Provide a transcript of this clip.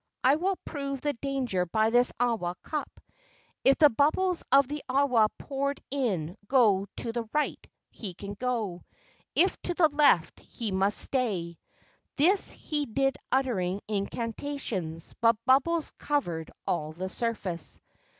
I will prove the danger by this awa cup. If the bubbles of the awa poured in go to the right, he can go. If to the left, he must stay." This he did uttering incantations, but bubbles covered all the surface.